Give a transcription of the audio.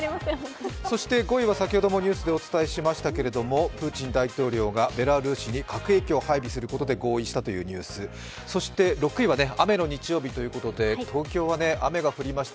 そして５位は先ほどもニュースでお伝えしましたけれどもプーチン大統領がベラルーシに核兵器を配備することで合意したといウニスるそして６位は雨の日曜日ということで東京は雨が降りました。